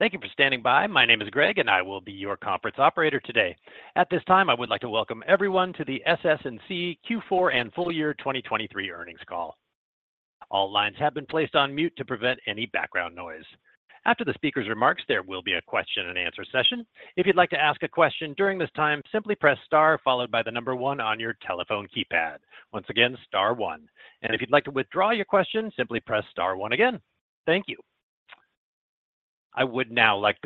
Thank you for standing by. My name is Greg, and I will be your conference operator today. At this time, I would like to welcome everyone to the SS&C Q4 and Full Year 2023 earnings call. All lines have been placed on mute to prevent any background noise. After the speaker's remarks, there will be a Q&A session. If you'd like to ask a question during this time, simply press * followed by the number one on your telephone keypad. Once again, star one. If you'd like to withdraw your question, simply press star one again. Thank you. I would now like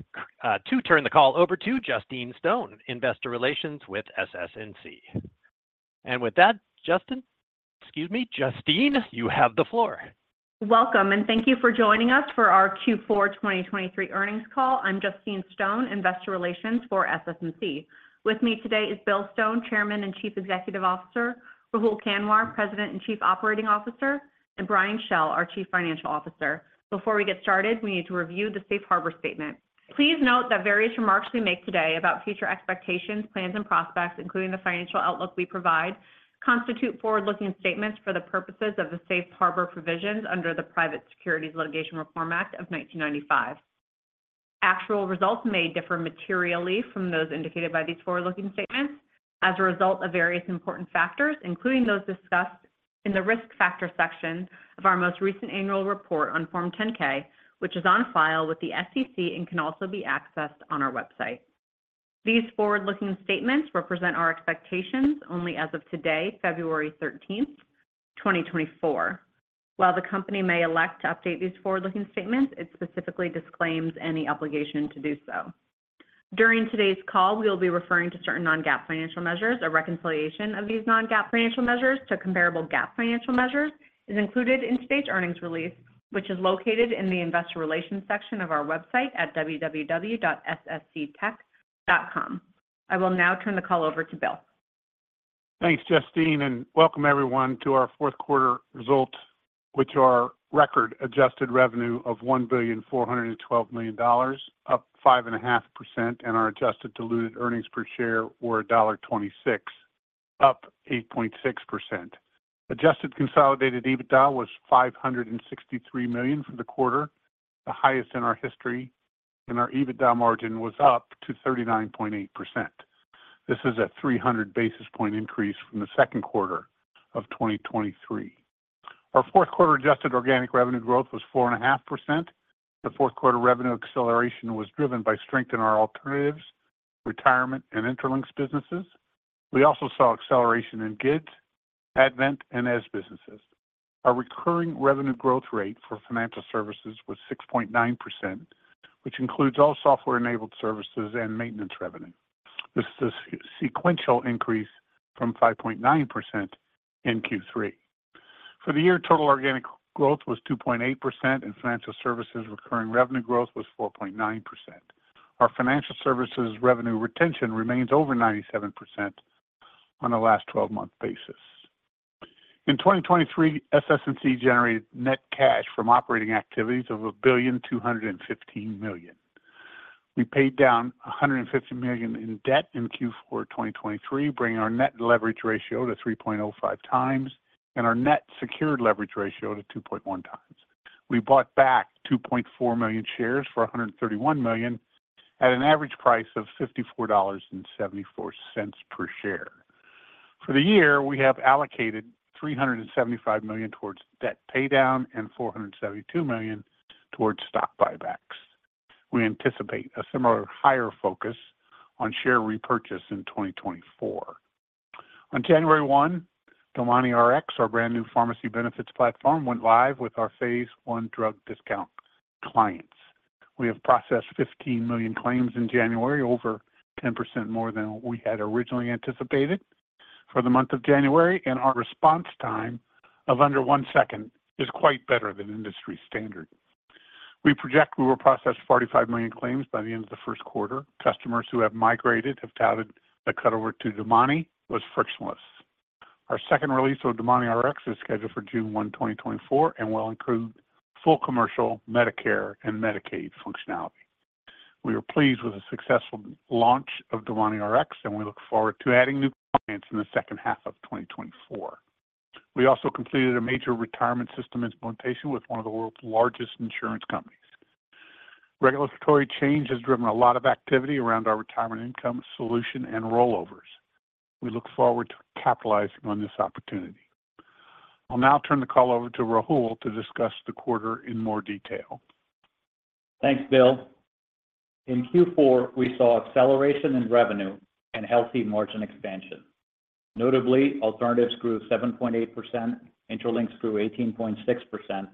to turn the call over to Justine Stone, Investor Relations with SS&C. And with that, Justine, excuse me, Justine, you have the floor. Welcome, and thank you for joining us for our Q4 2023 earnings call. I'm Justine Stone, Investor Relations for SS&C. With me today is Bill Stone, Chairman and Chief Executive Officer; Rahul Kanwar, President and Chief Operating Officer; and Brian Schell, our Chief Financial Officer. Before we get started, we need to review the Safe Harbor Statement. Please note that various remarks we make today about future expectations, plans, and prospects, including the financial outlook we provide, constitute forward-looking statements for the purposes of the Safe Harbor provisions under the Private Securities Litigation Reform Act of 1995. Actual results may differ materially from those indicated by these forward-looking statements as a result of various important factors, including those discussed in the Risk Factor section of our most recent annual report on Form 10-K, which is on file with the SEC and can also be accessed on our website. These forward-looking statements represent our expectations only as of today, February 13th, 2024. While the company may elect to update these forward-looking statements, it specifically disclaims any obligation to do so. During today's call, we will be referring to certain non-GAAP financial measures. A reconciliation of these non-GAAP financial measures to comparable GAAP financial measures is included in today's earnings release, which is located in the Investor Relations section of our website at www.ssctech.com. I will now turn the call over to Bill. Thanks, Justine, and welcome everyone to our Q4 results, which are record adjusted revenue of $1.412 billion, up 5.5%, and our adjusted diluted earnings per share were $1.26, up 8.6%. Adjusted consolidated EBITDA was $563 million for the quarter, the highest in our history, and our EBITDA margin was up to 39.8%. This is a 300 basis point increase from the Q2 of 2023. Our Q4 adjusted organic revenue growth was 4.5%. The Q4 revenue acceleration was driven by strength in our alternatives, retirement, and Intralinks businesses. We also saw acceleration in GIDS, Advent, and Eze businesses. Our recurring revenue growth rate for financial services was 6.9%, which includes all software-enabled services and maintenance revenue. This is a sequential increase from 5.9% in Q3. For the year, total organic growth was 2.8%, and financial services recurring revenue growth was 4.9%. Our financial services revenue retention remains over 97% on a last 12-month basis. In 2023, SS&C generated net cash from operating activities of $1,215 million. We paid down $150 million in debt in Q4 2023, bringing our net leverage ratio to 3.05 times and our net secured leverage ratio to 2.1 times. We bought back 2.4 million shares for $131 million at an average price of $54.74 per share. For the year, we have allocated $375 million towards debt paydown and $472 million towards stock buybacks. We anticipate a similar higher focus on share repurchase in 2024. On January 1, DomaniRx, our brand new pharmacy benefits platform, went live with our phase I drug discount clients. We have processed 15 million claims in January, over 10% more than we had originally anticipated for the month of January, and our response time of under one second is quite better than industry standard. We project we will process 45 million claims by the end of the Q1. Customers who have migrated have touted the cutover to Domani was frictionless. Our second release of DomaniRx is scheduled for June 1, 2024, and will include full commercial Medicare and Medicaid functionality. We are pleased with the successful launch of DomaniRx, and we look forward to adding new clients in the second half of 2024. We also completed a major retirement system implementation with one of the world's largest insurance companies. Regulatory change has driven a lot of activity around our retirement income solution and rollovers. We look forward to capitalizing on this opportunity. I'll now turn the call over to Rahul to discuss the quarter in more detail. Thanks, Bill. In Q4, we saw acceleration in revenue and healthy margin expansion. Notably, alternatives grew 7.8%, Intralinks grew 18.6%, and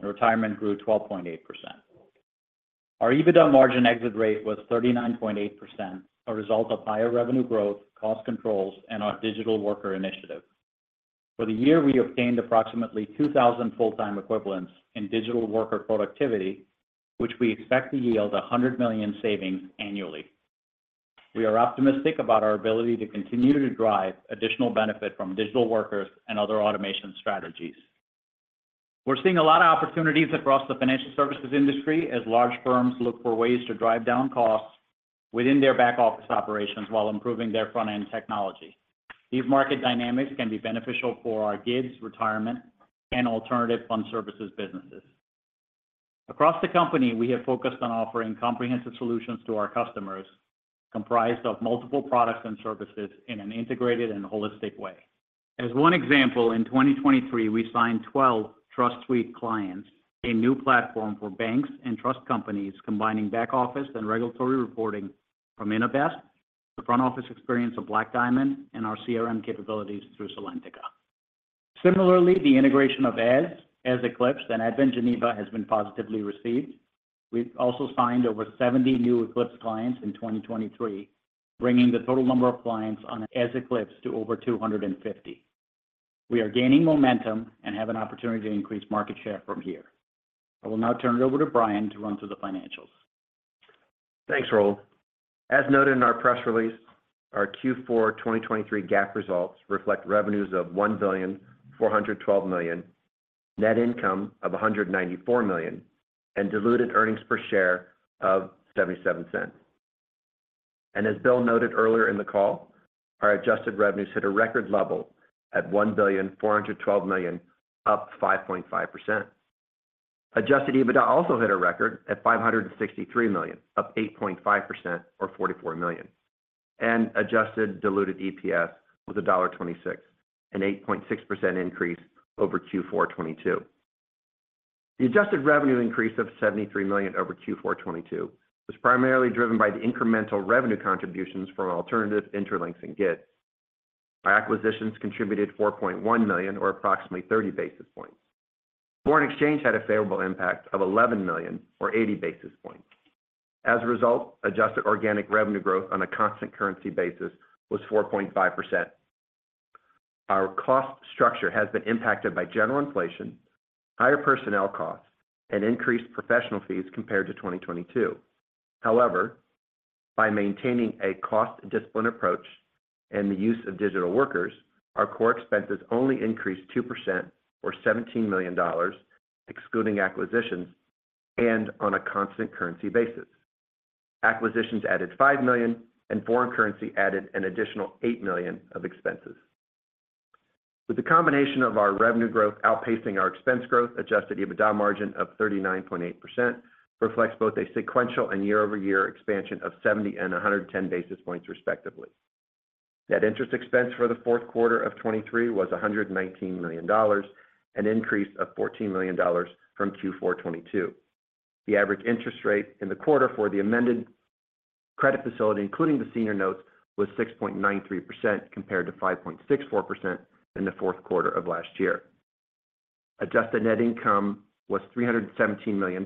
retirement grew 12.8%. Our EBITDA margin exit rate was 39.8%, a result of higher revenue growth, cost controls, and our digital worker initiative. For the year, we obtained approximately 2,000 full-time equivalents in digital worker productivity, which we expect to yield $100 million savings annually. We are optimistic about our ability to continue to drive additional benefit from digital workers and other automation strategies. We're seeing a lot of opportunities across the financial services industry as large firms look for ways to drive down costs within their back-office operations while improving their front-end technology. These market dynamics can be beneficial for our GIDS, retirement, and alternative fund services businesses. Across the company, we have focused on offering comprehensive solutions to our customers, comprised of multiple products and services in an integrated and holistic way. As one example, in 2023, we signed 12 Trust Suite clients, a new platform for banks and trust companies combining back-office and regulatory reporting from Innovest, the front-office experience of Black Diamond, and our CRM capabilities through Salentica. Similarly, the integration of Eze, Eze Eclipse, and Advent Geneva has been positively received. We've also signed over 70 new Eclipse clients in 2023, bringing the total number of clients on Eze Eclipse to over 250. We are gaining momentum and have an opportunity to increase market share from here. I will now turn it over to Brian to run through the financials. Thanks, Rahul. As noted in our press release, our Q4 2023 GAAP results reflect revenues of $1.412 billion, net income of $194 million, and diluted earnings per share of $0.77. As Bill noted earlier in the call, our adjusted revenues hit a record level at $1.412 billion, up 5.5%. Adjusted EBITDA also hit a record at $563 million, up 8.5% or $44 million, and adjusted diluted EPS was $1.26, an 8.6% increase over Q4 2022. The adjusted revenue increase of $73 million over Q4 2022 was primarily driven by the incremental revenue contributions from Alternatives, Intralinks, and GIDS. Our acquisitions contributed $4.1 million or approximately 30 basis points. Foreign exchange had a favorable impact of $11 million or 80 basis points. As a result, adjusted organic revenue growth on a constant currency basis was 4.5%. Our cost structure has been impacted by general inflation, higher personnel costs, and increased professional fees compared to 2022. However, by maintaining a cost-disciplined approach and the use of digital workers, our core expenses only increased 2% or $17 million, excluding acquisitions, and on a constant currency basis. Acquisitions added $5 million, and foreign currency added an additional $8 million of expenses. With the combination of our revenue growth outpacing our expense growth, adjusted EBITDA margin of 39.8% reflects both a sequential and year-over-year expansion of 70 and 110 basis points, respectively. Net interest expense for the Q4 of 2023 was $119 million, an increase of $14 million from Q4 2022. The average interest rate in the quarter for the amended credit facility, including the senior notes, was 6.93% compared to 5.64% in the Q4 of last year. Adjusted net income was $317 million,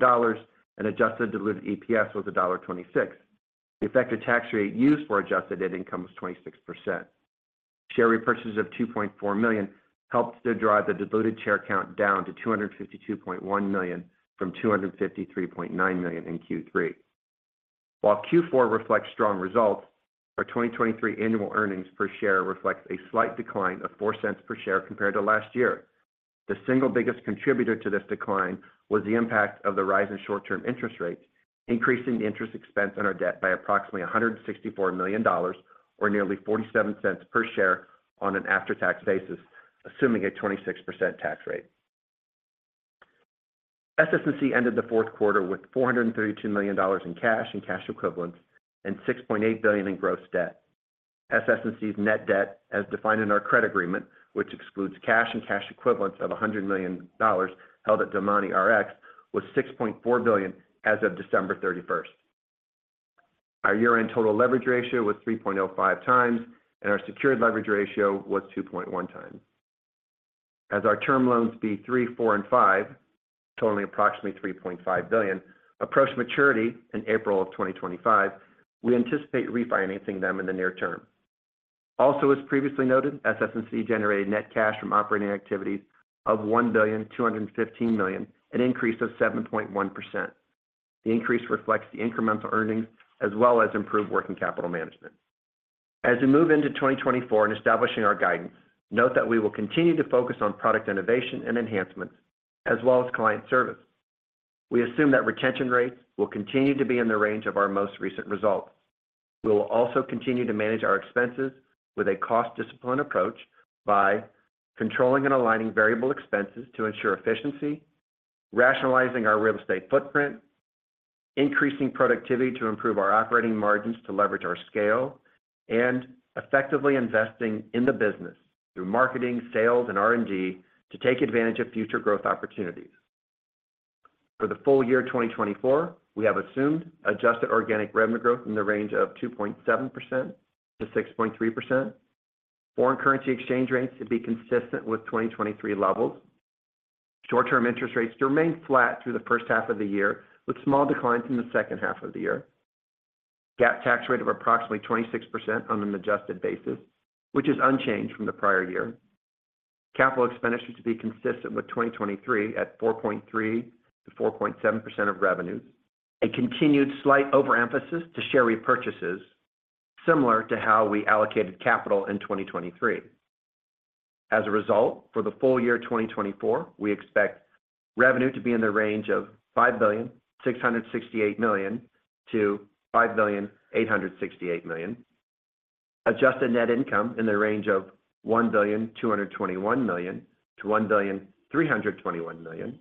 and adjusted diluted EPS was $1.26. The effective tax rate used for adjusted net income was 26%. Share repurchase of $2.4 million helped to drive the diluted share countdown to 252.1 million from 253.9 million in Q3. While Q4 reflects strong results, our 2023 annual earnings per share reflects a slight decline of $0.04 per share compared to last year. The single biggest contributor to this decline was the impact of the rise in short-term interest rates, increasing the interest expense on our debt by approximately $164 million or nearly $0.47 per share on an after-tax basis, assuming a 26% tax rate. SS&C ended the Q4 with $432 million in cash and cash equivalents and $6.8 billion in gross debt. SS&C's net debt, as defined in our credit agreement, which excludes cash and cash equivalents of $100 million held at DomaniRx, was $6.4 billion as of December 31st. Our year-end total leverage ratio was 3.05x, and our secured leverage ratio was 2.1x. As our term loans B-3, B-4, and B-5, totaling approximately $3.5 billion, approach maturity in April of 2025, we anticipate refinancing them in the near term. Also, as previously noted, SS&C generated net cash from operating activities of $1.215 billion, an increase of 7.1%. The increase reflects the incremental earnings as well as improved working capital management. As we move into 2024 and establishing our guidance, note that we will continue to focus on product innovation and enhancements as well as client service. We assume that retention rates will continue to be in the range of our most recent results. We will also continue to manage our expenses with a cost-disciplined approach by controlling and aligning variable expenses to ensure efficiency, rationalizing our real estate footprint, increasing productivity to improve our operating margins to leverage our scale, and effectively investing in the business through marketing, sales, and R&D to take advantage of future growth opportunities. For the full year 2024, we have assumed adjusted organic revenue growth in the range of 2.7%-6.3%. Foreign currency exchange rates to be consistent with 2023 levels. Short-term interest rates to remain flat through the first half of the year, with small declines in the second half of the year. GAAP tax rate of approximately 26% on an adjusted basis, which is unchanged from the prior year. Capital expenditure to be consistent with 2023 at 4.3%-4.7% of revenues. A continued slight overemphasis to share repurchases, similar to how we allocated capital in 2023. As a result, for the full year 2024, we expect revenue to be in the range of $5.668 billion-$5.868 billion. Adjusted net income in the range of $1.221 billion-$1.321 billion.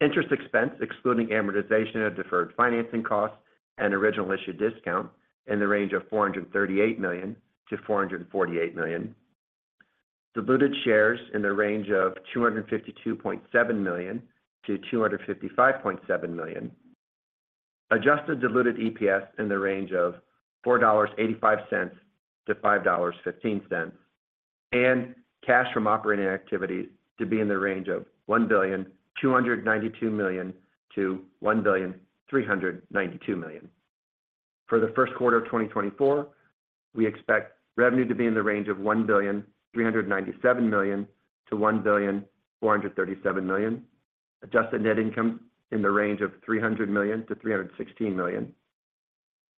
Interest expense, excluding amortization of deferred financing costs and original issue discount, in the range of $438 million-$448 million. Diluted shares in the range of 252.7 million-255.7 million. Adjusted diluted EPS in the range of $4.85-$5.15. Cash from operating activities to be in the range of $1.292 billion-$1.392 billion. For the Q1 of 2024, we expect revenue to be in the range of $1.397 billion-$1.437 billion. Adjusted net income in the range of $300 million-$316 million.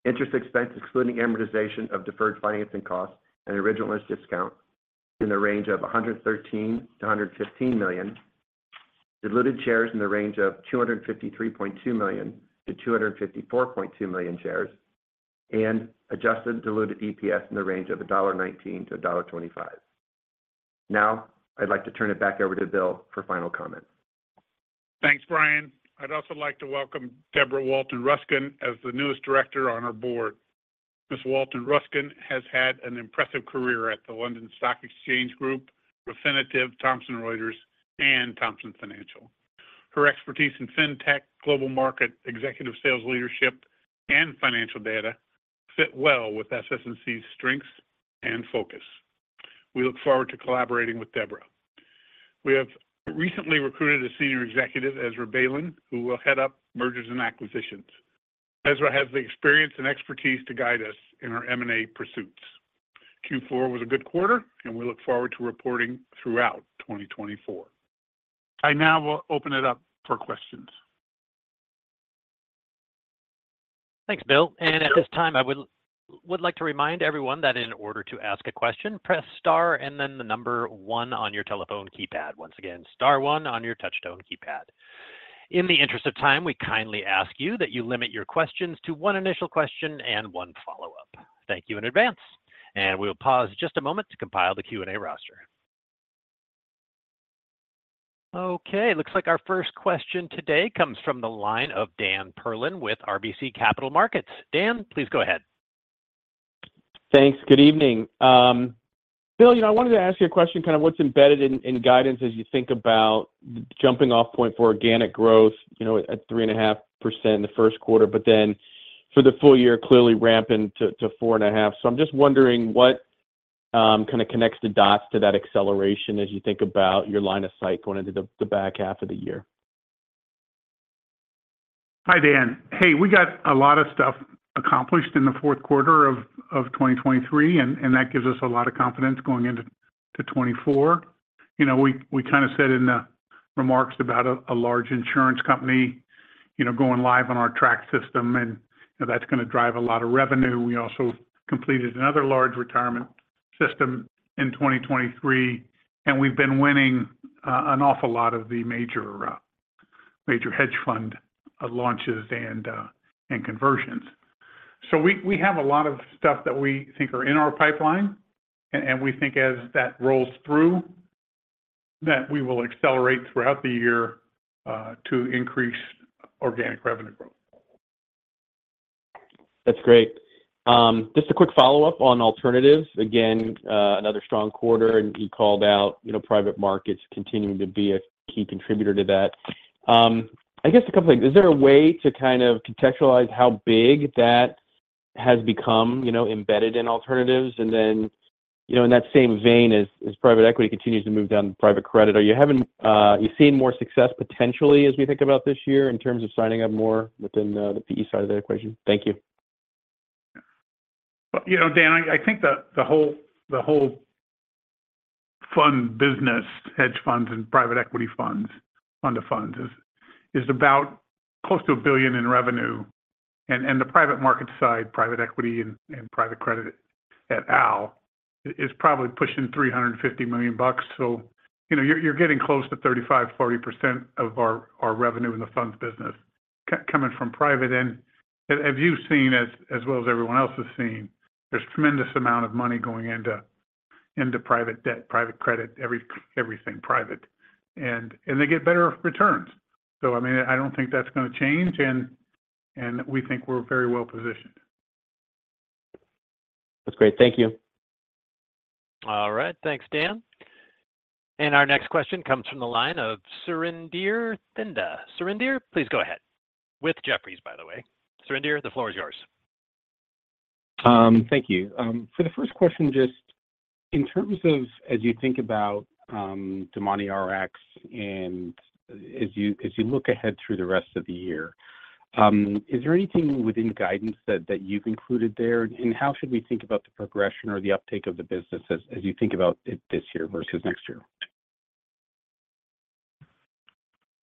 Interest expense, excluding amortization of deferred financing costs and original issue discount, in the range of $113 million-$115 million. Diluted shares in the range of 253.2 million-254.2 million shares. And adjusted diluted EPS in the range of $1.19-$1.25. Now, I'd like to turn it back over to Bill for final comments. Thanks, Brian. I'd also like to welcome Debra Walton-Ruskin as the newest director on our board. Ms. Walton-Ruskin has had an impressive career at the London Stock Exchange Group, Refinitiv, Thomson Reuters, and Thomson Financial. Her expertise in fintech, global market, executive sales leadership, and financial data fit well with SS&C's strengths and focus. We look forward to collaborating with Debra. We have recently recruited Rahul Kanwar as a senior executive, who will head up mergers and acquisitions. He has the experience and expertise to guide us in our M&A pursuits. Q4 was a good quarter, and we look forward to reporting throughout 2024. I now will open it up for questions. Thanks, Bill. And at this time, I would like to remind everyone that in order to ask a question, press star and then the number one on your telephone keypad. Once again, star one on your touch-tone keypad. In the interest of time, we kindly ask you that you limit your questions to one initial question and one follow-up. Thank you in advance. And we will pause just a moment to compile the Q&A roster. Okay, it looks like our first question today comes from the line of Dan Perlin with RBC Capital Markets. Dan, please go ahead. Thanks. Good evening. Bill, I wanted to ask you a question, kind of what's embedded in guidance as you think about jumping off point for organic growth at 3.5% in the Q1, but then for the full year, clearly ramping to 4.5%. So, I'm just wondering what kind of connects the dots to that acceleration as you think about your line of sight going into the back half of the year? Hi, Dan. Hey, we got a lot of stuff accomplished in the Q4 of 2023, and that gives us a lot of confidence going into 2024. We kind of said in the remarks about a large insurance company going live on our TRAC system, and that's going to drive a lot of revenue. We also completed another large retirement system in 2023, and we've been winning an awful lot of the major hedge fund launches and conversions. So we have a lot of stuff that we think are in our pipeline, and we think as that rolls through, that we will accelerate throughout the year to increase organic revenue growth. That's great. Just a quick follow-up on alternatives. Again, another strong quarter, and you called out private markets continuing to be a key contributor to that. I guess a couple of things. Is there a way to kind of contextualize how big that has become embedded in alternatives? And then in that same vein, as private equity continues to move down to private credit, are you seeing more success potentially as we think about this year in terms of signing up more within the PE side of the equation? Thank you. Dan, I think the whole fund business, hedge funds, and private equity funds, fund-to funds, is about close to $1 billion in revenue. And the private market side, private equity and private credit et al., is probably pushing $350 million. So, you're getting close to 35%-40% of our revenue in the funds business coming from private. And as you've seen, as well as everyone else has seen, there's a tremendous amount of money going into private debt, private credit, everything private. And they get better returns. So, I mean, I don't think that's going to change, and we think we're very well positioned. That's great. Thank you. All right. Thanks, Dan. And our next question comes from the line of Surinder Thind. Surinder, please go ahead. With Jefferies, by the way. Surinder, the floor is yours. Thank you. For the first question, just in terms of as you think about DomaniRx and as you look ahead through the rest of the year, is there anything within guidance that you've included there? And how should we think about the progression or the uptake of the business as you think about it this year versus next year?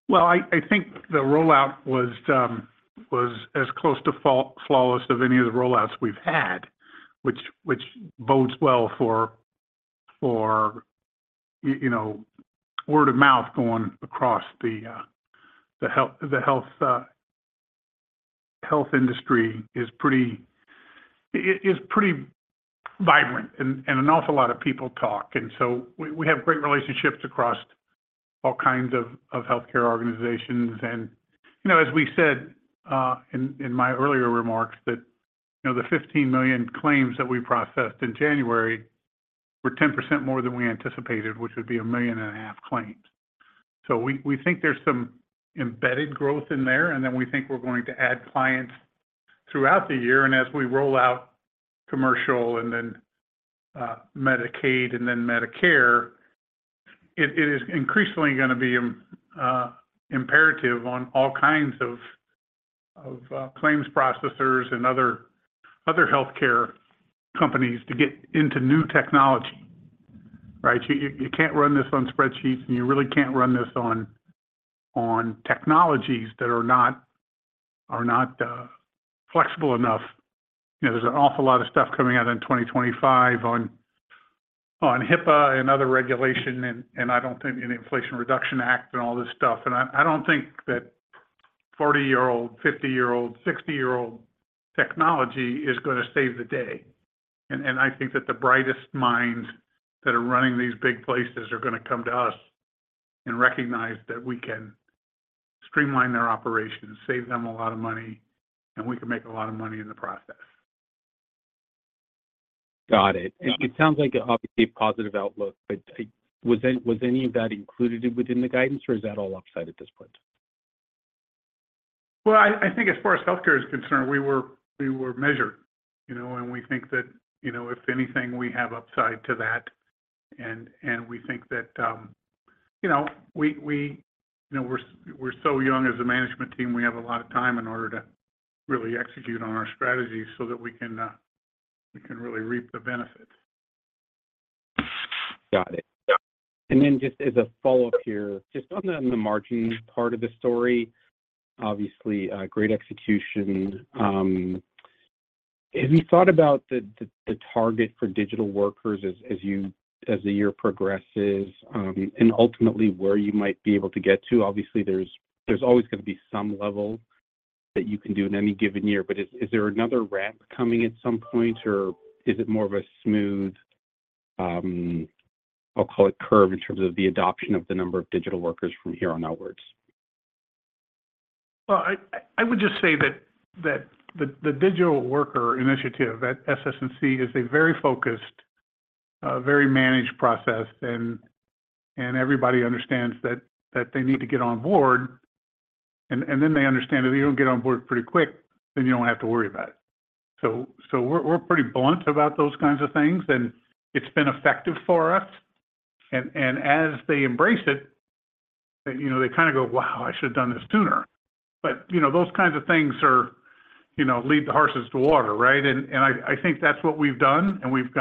Well, I think the rollout was as close to flawless as any of the rollouts we've had, which bodes well for word of mouth going across the health industry, which is pretty vibrant, and an awful lot of people talk. And so, we have great relationships across all kinds of healthcare organizations. And as we said in my earlier remarks, that the 15 million claims that we processed in January were 10% more than we anticipated, which would be 1.5 million claims. So, we think there's some embedded growth in there, and then we think we're going to add clients throughout the year. And as we roll out commercial and then Medicaid and then Medicare, it is increasingly going to be imperative on all kinds of claims processors and other healthcare companies to get into new technology, right? You can't run this on spreadsheets, and you really can't run this on technologies that are not flexible enough. There's an awful lot of stuff coming out in 2025 on HIPAA and other regulation, and I don't think any Inflation Reduction Act and all this stuff. And I don't think that 40-year-old, 50-year-old, 60-year-old technology is going to save the day. And I think that the brightest minds that are running these big places are going to come to us and recognize that we can streamline their operations, save them a lot of money, and we can make a lot of money in the process. Got it. It sounds like an obviously positive outlook, but was any of that included within the guidance, or is that all upside at this point? Well, I think as far as healthcare is concerned, we were measured. We think that if anything, we have upside to that. We think that we're so young as a management team, we have a lot of time in order to really execute on our strategy so that we can really reap the benefits. Got it. And then just as a follow-up here, just on the margin part of the story, obviously, great execution. Have you thought about the target for digital workers as the year progresses and ultimately where you might be able to get to? Obviously, there's always going to be some level that you can do in any given year. But is there another ramp coming at some point, or is it more of a smooth, I'll call it, curve in terms of the adoption of the number of digital workers from here on outwards? Well, I would just say that the digital worker initiative at SS&C is a very focused, very managed process, and everybody understands that they need to get on board. And then they understand if you don't get on board pretty quick, then you don't have to worry about it. So, we're pretty blunt about those kinds of things, and it's been effective for us. And as they embrace it, they kind of go, "Wow, I should have done this sooner." But those kinds of things lead the horses to water, right? And I think that's what we've done, and we've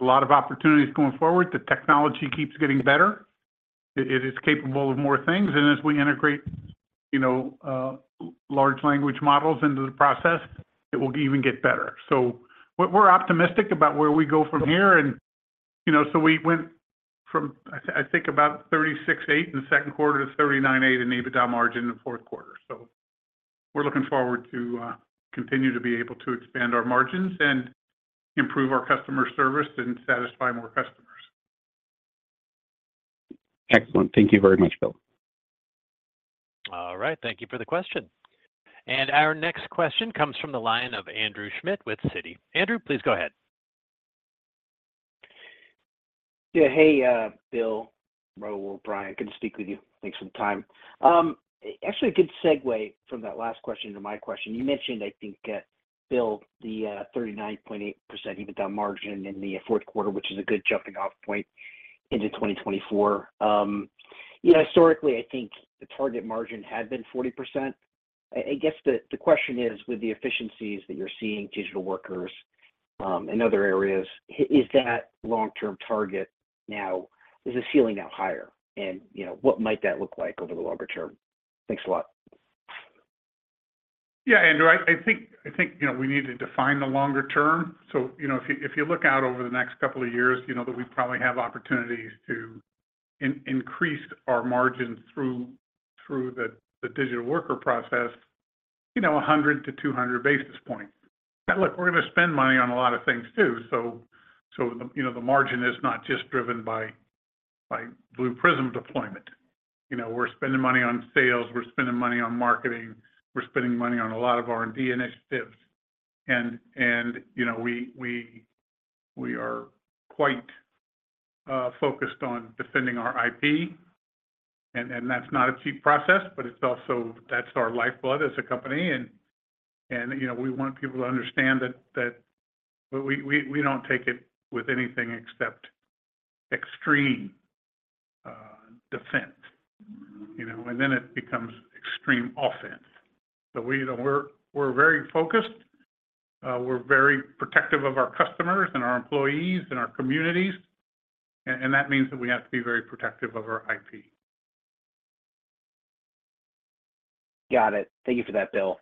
got a lot of opportunities going forward. The technology keeps getting better. It is capable of more things. And as we integrate large language models into the process, it will even get better. So, we're optimistic about where we go from here. We went from, I think, about 36.8% in the Q2 to 39.8% in EBITDA margin in the Q4. We're looking forward to continue to be able to expand our margins and improve our customer service and satisfy more customers. Excellent. Thank you very much, Bill. All right. Thank you for the question. Our next question comes from the line of Andrew Schmidt with Citi. Andrew, please go ahead. Yeah. Hey, Bill, Rahul, Brian. Good to speak with you. Thanks for the time. Actually, a good segue from that last question to my question. You mentioned, I think, Bill, the 39.8% EBITDA margin in the Q4, which is a good jumping-off point into 2024. Historically, I think the target margin had been 40%. I guess the question is, with the efficiencies that you're seeing, digital workers in other areas, is that long-term target now is the ceiling now higher? And what might that look like over the longer term? Thanks a lot. Yeah, Andrew. I think we need to define the longer term. So if you look out over the next couple of years, that we probably have opportunities to increase our margins through the digital worker process, 100-200 basis points. Look, we're going to spend money on a lot of things too. So the margin is not just driven by Blue Prism deployment. We're spending money on sales. We're spending money on marketing. We're spending money on a lot of R&D initiatives. And we are quite focused on defending our IP. And that's not a cheap process, but that's our lifeblood as a company. And we want people to understand that we don't take it with anything except extreme defense. And then it becomes extreme offense. So we're very focused. We're very protective of our customers and our employees and our communities. That means that we have to be very protective of our IP. Got it. Thank you for that, Bill.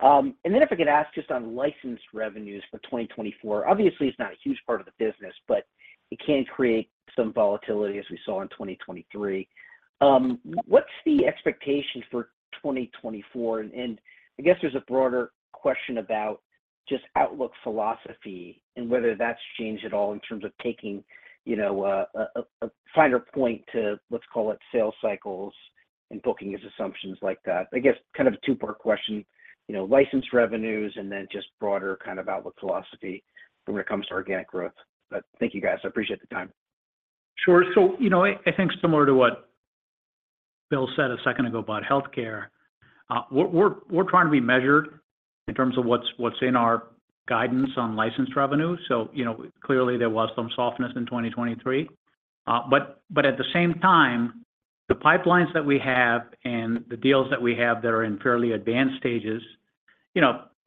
And then if I could ask just on licensed revenues for 2024, obviously, it's not a huge part of the business, but it can create some volatility as we saw in 2023. What's the expectation for 2024? And I guess there's a broader question about just outlook philosophy and whether that's changed at all in terms of taking a finer point to, let's call it, sales cycles and booking as assumptions like that. I guess kind of a two-part question, licensed revenues and then just broader kind of outlook philosophy when it comes to organic growth. But thank you, guys. I appreciate the time. Sure. So I think similar to what Bill said a second ago about healthcare, we're trying to be measured in terms of what's in our guidance on licensed revenue. So clearly, there was some softness in 2023. But at the same time, the pipelines that we have and the deals that we have that are in fairly advanced stages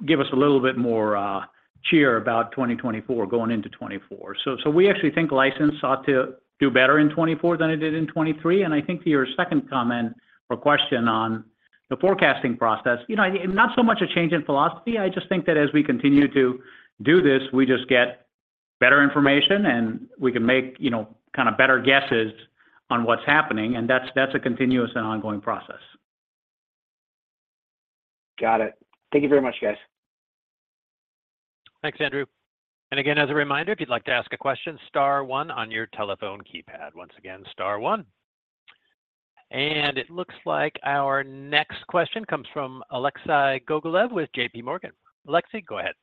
give us a little bit more cheer about 2024, going into 2024. So we actually think license ought to do better in 2024 than it did in 2023. And I think to your second comment or question on the forecasting process, not so much a change in philosophy. I just think that as we continue to do this, we just get better information, and we can make kind of better guesses on what's happening. And that's a continuous and ongoing process. Got it. Thank you very much, guys. Thanks, Andrew. And again, as a reminder, if you'd like to ask a question, star one on your telephone keypad. Once again, star one. And it looks like our next question comes from Alexei Gogolev with J.P. Morgan. Alexei, go ahead.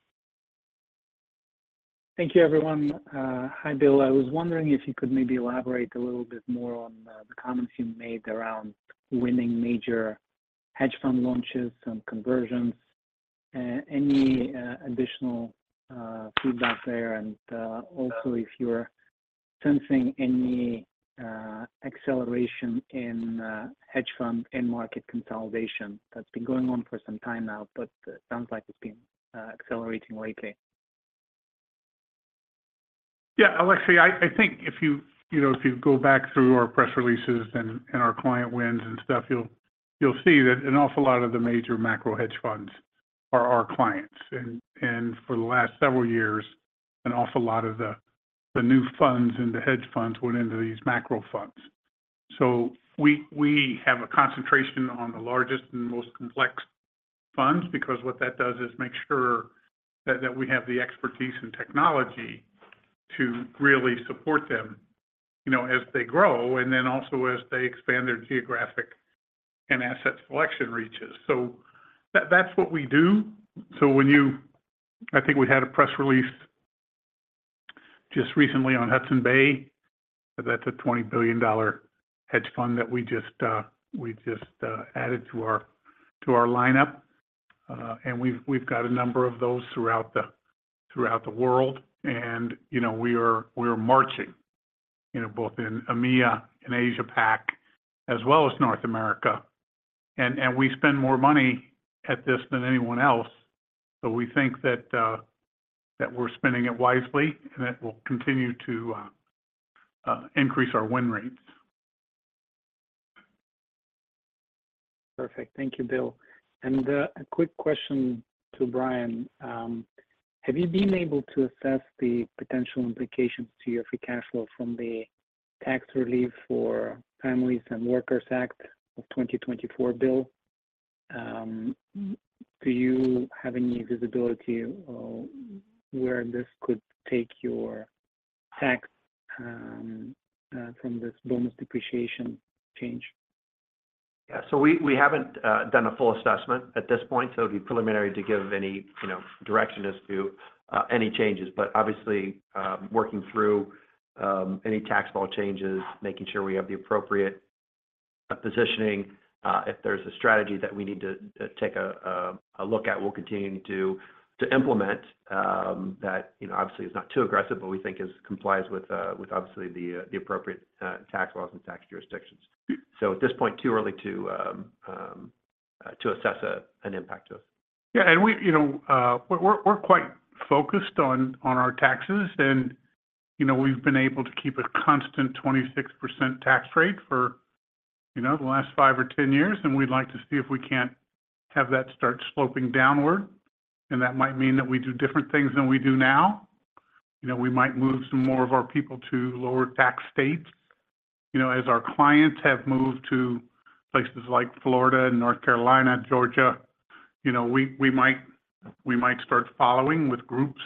Thank you, everyone. Hi, Bill. I was wondering if you could maybe elaborate a little bit more on the comments you made around winning major hedge fund launches and conversions. Any additional feedback there? And also if you're sensing any acceleration in hedge fund and market consolidation. That's been going on for some time now, but it sounds like it's been accelerating lately. Yeah, Alexei, I think if you go back through our press releases and our client wins and stuff, you'll see that an awful lot of the major macro hedge funds are our clients. And for the last several years, an awful lot of the new funds and the hedge funds went into these macro funds. So we have a concentration on the largest and most complex funds because what that does is make sure that we have the expertise and technology to really support them as they grow and then also as they expand their geographic and asset selection reaches. So that's what we do. So I think we had a press release just recently on Hudson Bay that that's a $20 billion hedge fund that we just added to our lineup. And we've got a number of those throughout the world. We are marching both in EMEA and Asia-Pac as well as North America. We spend more money at this than anyone else. We think that we're spending it wisely, and it will continue to increase our win rates. Perfect. Thank you, Bill. A quick question to Brian. Have you been able to assess the potential implications to your free cash flow from the Tax Relief for Families and Workers Act of 2024, Bill? Do you have any visibility where this could take your tax from this bonus depreciation change? Yeah. So we haven't done a full assessment at this point. So it would be preliminary to give any direction as to any changes. But obviously, working through any tax law changes, making sure we have the appropriate positioning. If there's a strategy that we need to take a look at, we'll continue to implement that obviously is not too aggressive, but we think complies with obviously the appropriate tax laws and tax jurisdictions. So at this point, too early to assess an impact to us. Yeah. And we're quite focused on our taxes. And we've been able to keep a constant 26% tax rate for the last five or 10 years. And we'd like to see if we can't have that start sloping downward. And that might mean that we do different things than we do now. We might move some more of our people to lower tax states. As our clients have moved to places like Florida, North Carolina, Georgia, we might start following with groups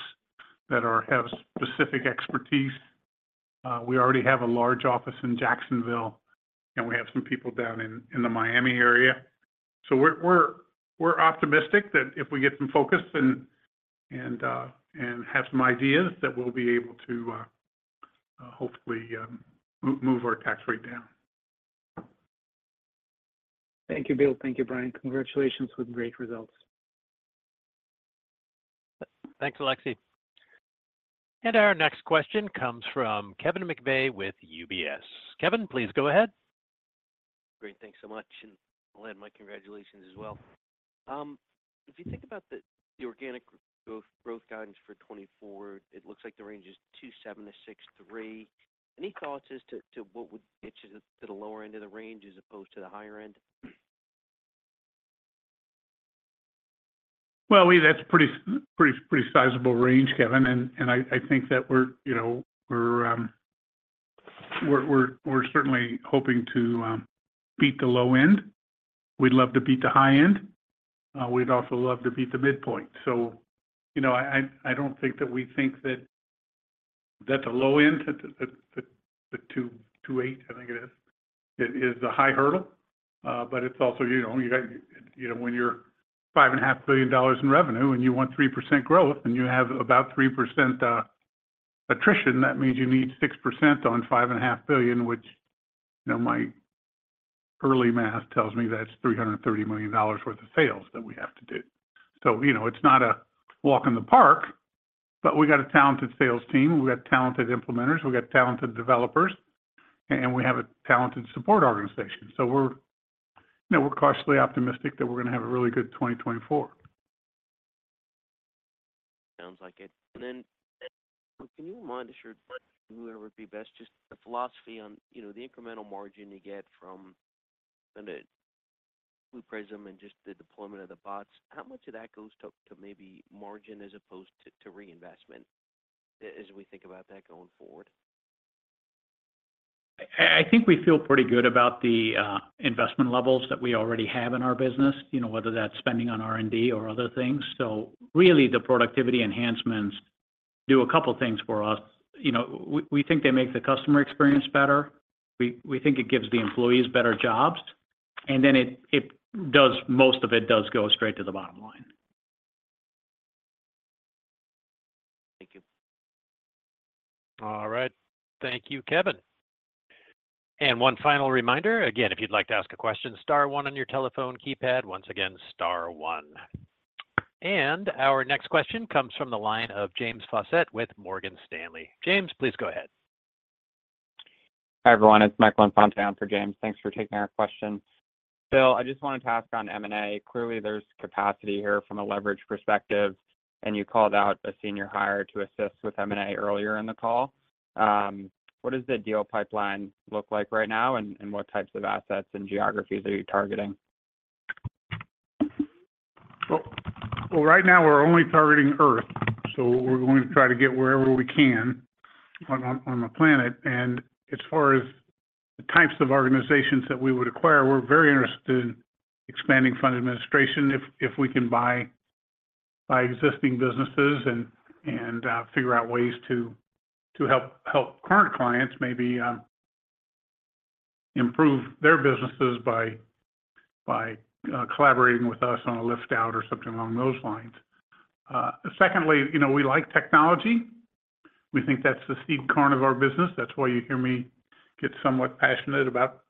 that have specific expertise. We already have a large office in Jacksonville, and we have some people down in the Miami area. So we're optimistic that if we get some focus and have some ideas, that we'll be able to hopefully move our tax rate down. Thank you, Bill. Thank you, Brian. Congratulations with great results. Thanks, Alexei. Our next question comes from Kevin McVeigh with UBS. Kevin, please go ahead. Great. Thanks so much. I'll add my congratulations as well. If you think about the organic growth guidance for 2024, it looks like the range is 27-63. Any thoughts as to what would get you to the lower end of the range as opposed to the higher end? Well, that's a pretty sizable range, Kevin. And I think that we're certainly hoping to beat the low end. We'd love to beat the high end. We'd also love to beat the midpoint. So I don't think that we think that the low end, the 28, I think it is, is the high hurdle. But it's also you've got when you're $5.5 billion in revenue and you want 3% growth and you have about 3% attrition, that means you need 6% on $5.5 billion, which my early math tells me that's $330 million worth of sales that we have to do. So, it's not a walk in the park. But we got a talented sales team. We got talented implementers. We got talented developers. And we have a talented support organization. So we're cautiously optimistic that we're going to have a really good 2024. Sounds like it. And then can you remind us whoever it would be best, just the philosophy on the incremental margin you get from Blue Prism and just the deployment of the bots, how much of that goes to maybe margin as opposed to reinvestment as we think about that going forward? I think we feel pretty good about the investment levels that we already have in our business, whether that's spending on R&D or other things. So really, the productivity enhancements do a couple of things for us. We think they make the customer experience better. We think it gives the employees better jobs. And then most of it does go straight to the bottom line. Thank you. All right. Thank you, Kevin. And one final reminder. Again, if you'd like to ask a question, star one on your telephone keypad. Once again, star one. And our next question comes from the line of James Faucette with Morgan Stanley. James, please go ahead. Hi, everyone. It's Michael Infante for James. Thanks for taking our question. Bill, I just wanted to ask on M&A. Clearly, there's capacity here from a leverage perspective. And you called out a senior hire to assist with M&A earlier in the call. What does the deal pipeline look like right now? And what types of assets and geographies are you targeting? Well, right now, we're only targeting Earth. Som we're going to try to get wherever we can on the planet. And as far as the types of organizations that we would acquire, we're very interested in expanding fund administration if we can buy existing businesses and figure out ways to help current clients maybe improve their businesses by collaborating with us on a lift-out or something along those lines. Secondly, we like technology. We think that's the seed corn of our business. That's why you hear me get somewhat passionate about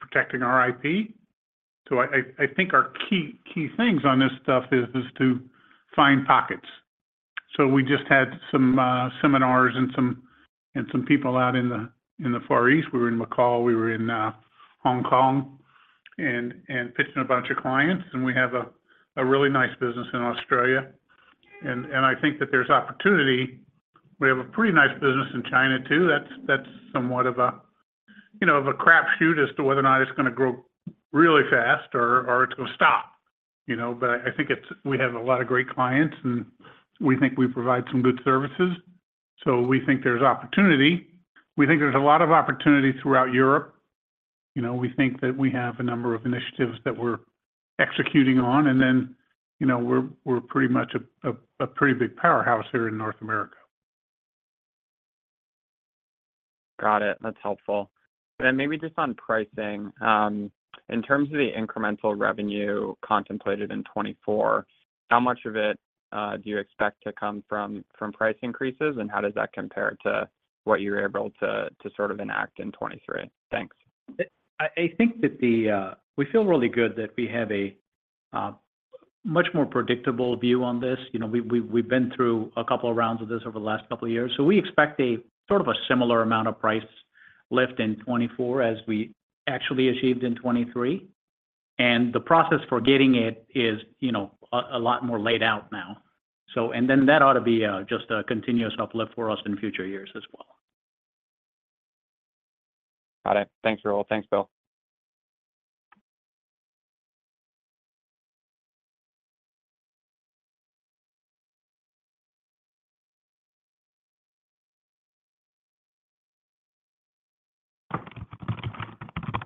protecting our IP. So I think our key things on this stuff is to find pockets. So we just had some seminars and some people out in the Far East. We were in Macau. We were in Hong Kong and pitching a bunch of clients. And we have a really nice business in Australia. I think that there's opportunity. We have a pretty nice business in China, too. That's somewhat of a crapshoot as to whether or not it's going to grow really fast or it's going to stop. I think we have a lot of great clients, and we think we provide some good services. We think there's opportunity. We think there's a lot of opportunity throughout Europe. We think that we have a number of initiatives that we're executing on. Then we're pretty much a pretty big powerhouse here in North America. Got it. That's helpful. And then maybe just on pricing, in terms of the incremental revenue contemplated in 2024, how much of it do you expect to come from price increases? And how does that compare to what you were able to sort of enact in 2023? Thanks. I think that we feel really good that we have a much more predictable view on this. We've been through a couple of rounds of this over the last couple of years. So we expect sort of a similar amount of price lift in 2024 as we actually achieved in 2023. And the process for getting it is a lot more laid out now. And then that ought to be just a continuous uplift for us in future years as well. Got it. Thanks, Rahul. Thanks, Bill.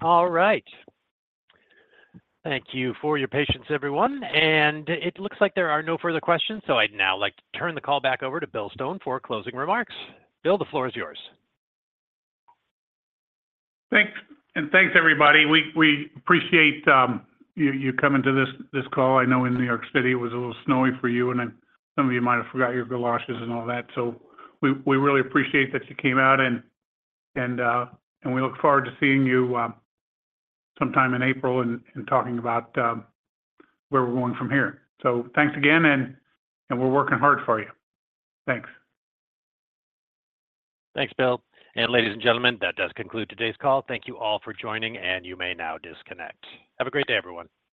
All right. Thank you for your patience, everyone. And it looks like there are no further questions. So, I'd now like to turn the call back over to Bill Stone for closing remarks. Bill, the floor is yours. Thanks. Thanks, everybody. We appreciate you coming to this call. I know in New York City, it was a little snowy for you, and some of you might have forgot your galoshes and all that. We really appreciate that you came out. We look forward to seeing you sometime in April and talking about where we're going from here. Thanks again, and we're working hard for you. Thanks. Thanks, Bill. Ladies and gentlemen, that does conclude today's call. Thank you all for joining, and you may now disconnect. Have a great day, everyone.